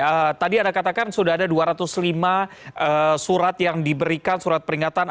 oke tadi anda katakan sudah ada dua ratus lima surat yang diberikan surat peringatan